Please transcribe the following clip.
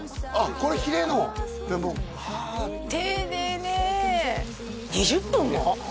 これヒレの丁寧ね２０分も？